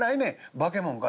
「化けもんか？」。